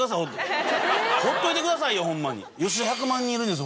ホントほっといてくださいよホンマに。